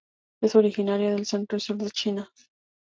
Es originaria del centro y sur de China.